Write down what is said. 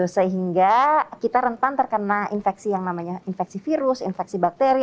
sehingga kita rentan terkena infeksi yang namanya infeksi virus infeksi bakteri